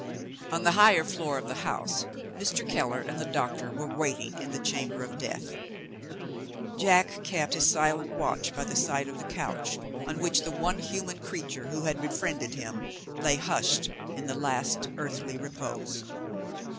On the higher floor of the house, Mr. Keller and the doctor were waiting in the chamber of death. Jack kept his silent watch by the side of the couch, on which the one human creature who had befriended him lay hushed in the last earthly repose.